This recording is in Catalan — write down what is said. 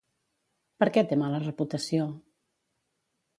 Per què té mala reputació?